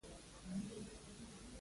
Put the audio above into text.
دا کلی ډېر ارام دی.